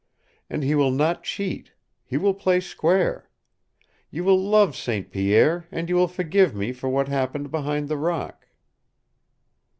And he will not cheat! He will play square. You will love St. Pierre, and you will forgive me for what happened behind the rock!"